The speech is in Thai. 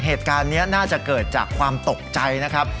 เหตุการณ์นี้น่าจะเกิดจากความตกใจนะครับ